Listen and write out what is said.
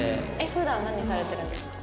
普段何されてるんですか？